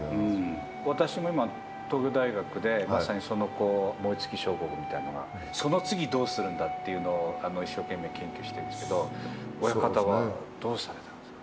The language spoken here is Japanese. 私も今、東京大学でまさに燃え尽き症候群みたいのが、その次、どうするんだっていうのを一生懸命研究してるんですけど、親方はどうされたんですか。